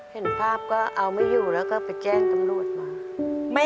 เห็นภาพก็เอาไม่อยู่แล้วก็ไปแจ้งตำรวจมา